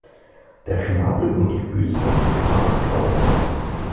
Der Schnabel und die Füße sind schwarzgrau.